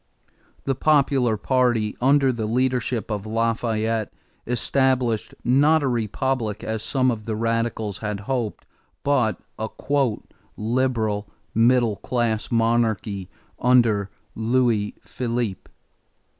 The popular party, under the leadership of Lafayette, established, not a republic as some of the radicals had hoped, but a "liberal" middle class monarchy under Louis Philippe.